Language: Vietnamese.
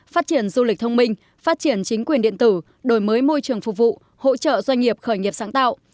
phát triển du lịch thông minh phát triển chính quyền điện tử đổi mới môi trường phục vụ hỗ trợ doanh nghiệp khởi nghiệp sáng tạo